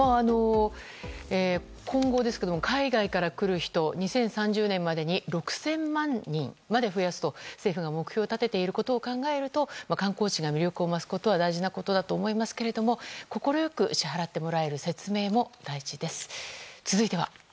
今後、海外から来る人を２０３０年までに６０００万人まで増やすと政府が目標を立てていることを考えると観光地が魅力を増すことは大事なことだと思いますが快く支払ってもらえる説明も大事です。